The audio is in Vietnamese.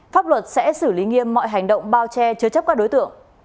pháp luật sẽ xử lý nghiêm mọi hành động bao che chứa chấp các đối tượng